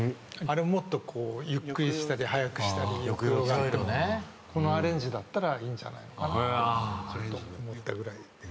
あれをもっとゆっくりしたり速くしたり抑揚があってもこのアレンジだったらいいんじゃないのかなってちょっと思ったぐらいで。